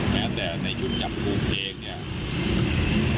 แม้แต่ในยุคจับภูมิเองเนี่ย